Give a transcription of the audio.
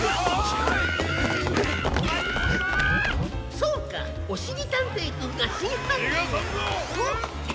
そうかおしりたんていくんがしんはんにんを。